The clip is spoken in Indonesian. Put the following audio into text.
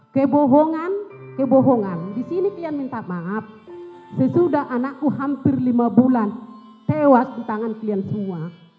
kebohongan kebohongan di sini kalian minta maaf sesudah anakku hampir lima bulan tewas di tangan kalian semua